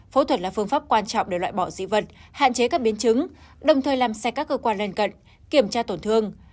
phẫu thuật là phương pháp quan trọng để loại bỏ dị vật hạn chế các biến chứng đồng thời làm sạch các cơ quan lân cận kiểm tra tổn thương